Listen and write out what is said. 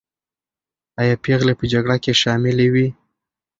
آیا پېغلې په جګړه کې شاملي وې؟